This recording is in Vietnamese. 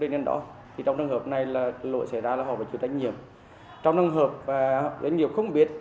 nếu doanh nghiệp không biết